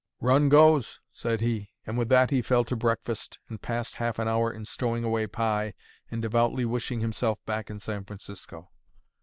"Run goes," said he; and with that he fell to breakfast, and passed half an hour in stowing away pie and devoutly wishing himself back in San Francisco.